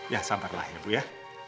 ya sampe lah ya bu ya